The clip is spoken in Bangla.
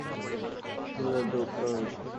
ডিসেম্বর-জানুয়ারিতে উৎপাদন বেশি।